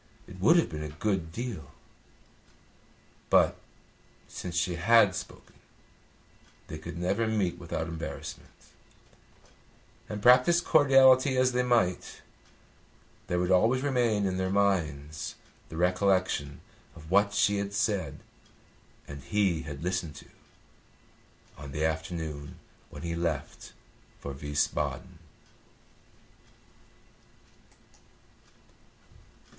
It would have been a good deal. But, since she had spoken, they could never meet without embarrassment, and, practise cordiality as they might, there would always remain in their minds the recollection of what she had said and he had listened to on the afternoon when he left for Wiesbaden.